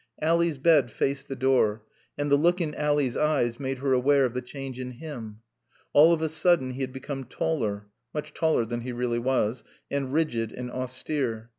Ally's bed faced the door, and the look in Ally's eyes made her aware of the change in him. All of a sudden he had become taller (much taller than he really was) and rigid and austere.